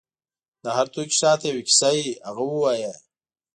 د هر توکي شاته یو کیسه وي، هغه ووایه.